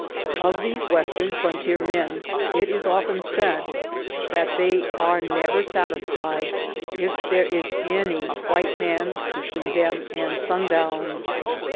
Of these western frontier men it is often said, that they are never satisfied if there is any white man between them and sundown.